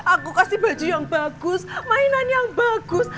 aku kasih baju yang bagus mainan yang bagus